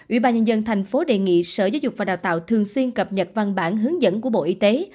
ủy ban nhân dân thành phố đề nghị sở giáo dục và đào tạo thường xuyên cập nhật văn bản hướng dẫn của bộ y tế